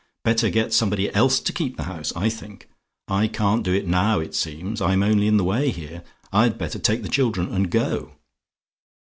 Better get somebody else to keep the house, I think. I can't do it now, it seems; I'm only in the way here: I'd better take the children, and go.